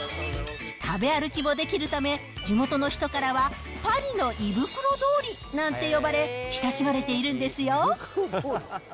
食べ歩きもできるため、地元の人からは、パリの胃袋通りなんて呼ばれ、親しまれているんですよ。